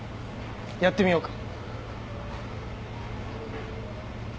やってみようか。